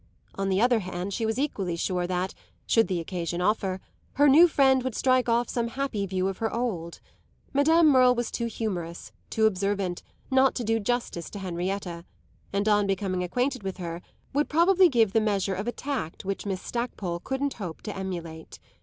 On the other hand she was equally sure that, should the occasion offer, her new friend would strike off some happy view of her old: Madame Merle was too humorous, too observant, not to do justice to Henrietta, and on becoming acquainted with her would probably give the measure of a tact which Miss Stackpole couldn't hope to emulate.